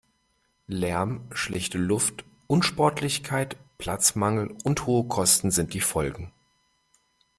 Lärm, schlechte Luft, Unsportlichkeit, Platzmangel und hohe Kosten sind die Folgen.